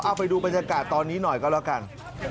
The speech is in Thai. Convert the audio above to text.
เอาไปดูบรรยากาศตอนนี้หน่อยก็แล้วกัน